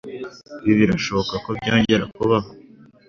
Ibi birashoboka ko byongera kubaho?